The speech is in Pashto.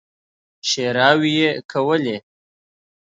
ښېراوې يې کولې.